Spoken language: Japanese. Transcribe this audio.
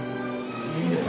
いいです！